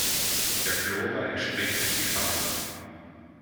Der Flora entspricht die Fauna.